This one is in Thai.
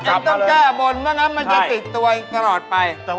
ยังต้องแก้บนเมื่อนั้นมันจะติดตัวอยู่ตลอดไปจับมาเลย